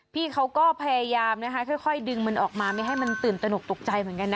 พี่เขาก็พยายามนะคะค่อยดึงมันออกมาไม่ให้มันตื่นตนกตกใจเหมือนกันนะ